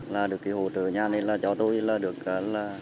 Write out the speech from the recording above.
là được cái hỗ trợ nhà này là cho tôi là được